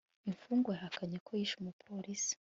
imfungwa yahakanye ko yishe umupolisi